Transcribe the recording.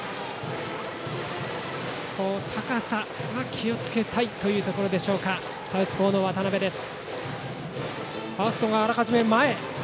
高さには気をつけたいというところでしょうかサウスポーの渡部です。